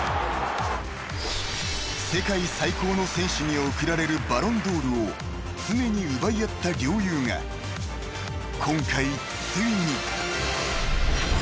［世界最高の選手に贈られるバロンドールを常に奪い合った両雄が今回ついに］